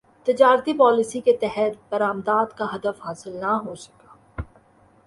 تجارتی پالیسی کے تحت برامدات کا ہدف حاصل نہ ہوسکا